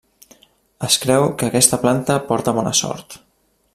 Es creu que aquesta planta porta bona sort.